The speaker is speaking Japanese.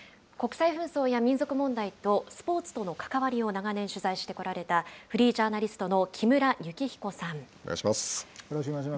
国際紛争や民族問題とスポーツとの関わりを長年取材してこられたフリージャーナリストの木村元彦さん。